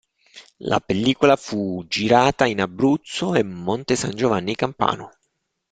La pellicola fu girata in Abruzzo e Monte San Giovanni Campano.